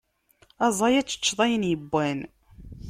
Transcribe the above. Aẓay, ad tteččeḍ ayen yewwan!